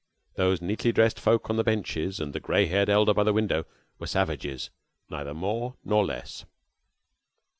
Those neatly dressed folk on the benches, and the gray headed elder by the window, were savages, neither more nor less.